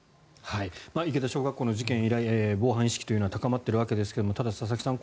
池田小学校の事件以来防犯意識というのは高まっているわけですがただ、佐々木さん